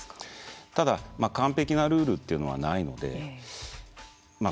ただ完璧なルールっていうのはないのでまあ